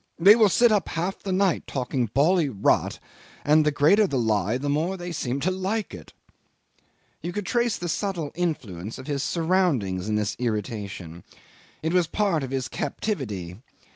They will sit up half the night talking bally rot, and the greater the lie the more they seem to like it." You could trace the subtle influence of his surroundings in this irritation. It was part of his captivity.